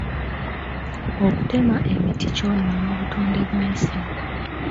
Okutema emiti kyonoona obutonde bw'ensi.